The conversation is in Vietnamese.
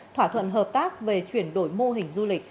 thỏa thuận hợp tác về chuyển đổi mô hình du lịch